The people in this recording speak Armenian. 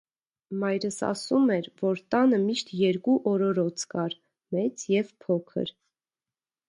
Մայրս ասում էր, որ տանը միշտ երկու օրորոց կար՝ մեծ և փոքր: